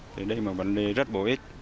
thì đây là vấn đề rất bổ ích